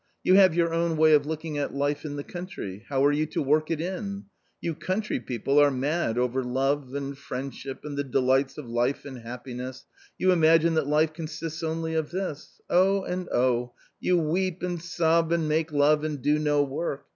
You have your own way of looking at life in the country ; how are you to work it in ? You country people are mad over love and friend ship and the delights of life and happiness ; you imagine that life consists only of this : oh and oh ! you weep and sob and make love and do no work